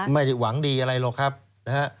ไม่ได้หวังดีหรอกหรอกค่ะ